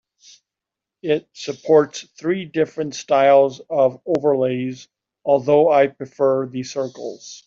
It supports three different styles of overlays, although I prefer the circles.